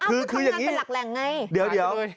เอ้าเขาทำงานเป็นหลักแรงไง